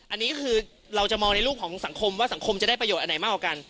อันนี้คือเราจะมองในรูปของสังคมว่าสังคมจะได้ประโยชนอันไหนมากกว่ากัน